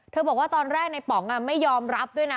บอกว่าตอนแรกในป๋องไม่ยอมรับด้วยนะ